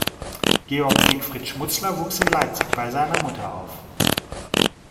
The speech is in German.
Georg-Siegfried Schmutzler wuchs in Leipzig bei seiner Mutter auf.